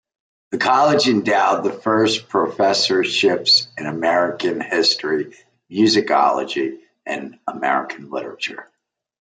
The College endowed the first professorships in American history, musicology, and American literature.